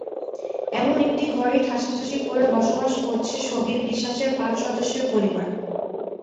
এমন একটি ঘরেই ঠাসাঠাসি করে বসবাস করছে সগির বিশ্বাসের পাঁচ সদস্যের পরিবার।